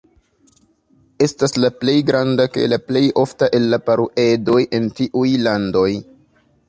Estas la plej granda kaj la plej ofta el la paruedoj en tiuj landoj.